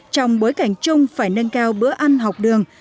trong bối cảnh chung phải nâng cao bữa ăn học đường